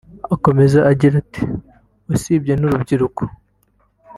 Akomeza agira ati « usibye n’urubyiruko